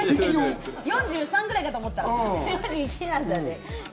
４３くらいかと思ったら、４１。